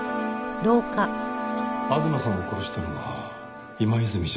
吾妻さんを殺したのは今泉じゃない。